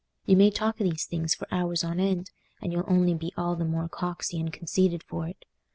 You may talk o' these things for hours on end, and you'll only be all the more coxy and conceited for't.